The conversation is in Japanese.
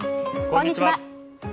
こんにちは。